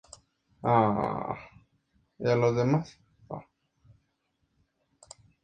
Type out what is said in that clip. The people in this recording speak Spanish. Hay varias capillas aisladas en la zona junto a la ladera de la montaña.